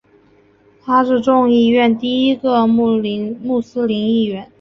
他是众议院第一位穆斯林议员。